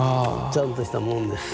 ちゃんとしたもんです。